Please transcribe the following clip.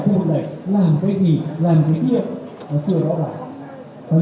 thuộc này làm cái gì làm cái gì nó chưa rõ ràng